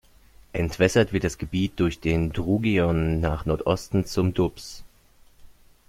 Entwässert wird das Gebiet durch den Drugeon nach Nordosten zum Doubs.